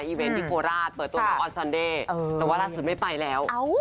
อีเวนท์ที่โคราชเปิดตัวเราออนซันเดย์แต่ว่าราศิลป์ไม่ไปแล้ว